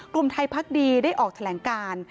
กลุ่มไทยพักดีได้ออกแถลงการ